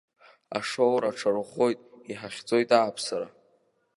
Ашоура аҽарӷәӷәоит, иҳахьӡоит ааԥсара.